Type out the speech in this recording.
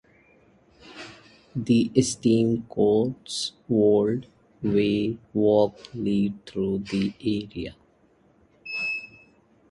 The esteemed Cotswold Way walk leads through the area.